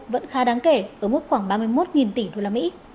vẫn khá đáng kể ở mức khoảng ba mươi một tỷ usd